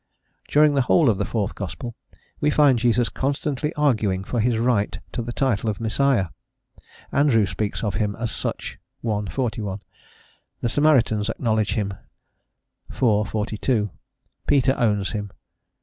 During the whole of the fourth gospel, we find Jesus constantly arguing for his right to the title of Messiah. Andrew speaks of him as such (i. 41); the Samaritans acknowledge him (iv. 42); Peter owns him (vi.